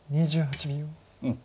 ２８秒。